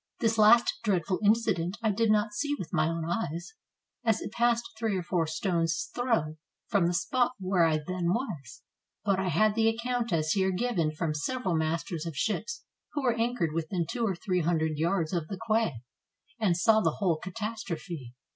This last dreadful incident I did not see with my own eyes, as it passed three or four stones' throws from the spot where I then was; but I had the account as here given from several masters of ships, who were anchored within two or three hundred yards of the quay, and saw the whole catastrophe.